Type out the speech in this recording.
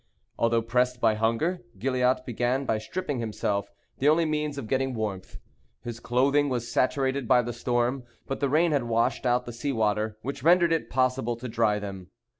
Although pressed by hunger, Gilliatt began by stripping himself, the only means of getting warmth. His clothing was saturated by the storm, but the rain had washed out the sea water, which rendered it possible to dry them.